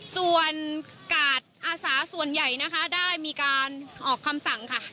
ส่วนกาดอาสาส่วนใหญ่นะคะได้มีการออกคำสั่งค่ะ